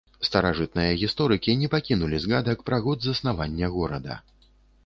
Старажытныя гісторыкі не пакінулі згадак пра год заснавання горада.